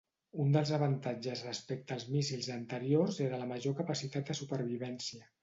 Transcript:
Un dels avantatges respecte als míssils anteriors era la major capacitat de supervivència.